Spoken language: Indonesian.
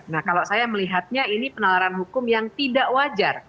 nah kalau saya melihatnya ini penalaran hukum yang tidak wajar